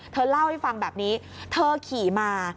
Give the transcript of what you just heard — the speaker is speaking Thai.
เธอเล่าให้ฟังแบบนี้เธอขี่มา